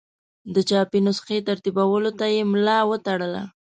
د چاپي نسخې ترتیبولو ته یې ملا وتړله.